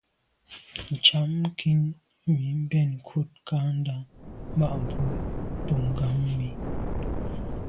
Ntsham nkin mi mbèn nkut kandà ma’ bwe boa ngàm mi.